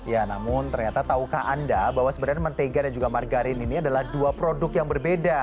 ya namun ternyata tahukah anda bahwa sebenarnya mentega dan juga margarin ini adalah dua produk yang berbeda